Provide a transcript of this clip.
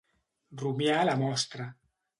Rumiar la mostra.